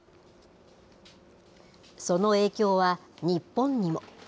その影響は日本にも。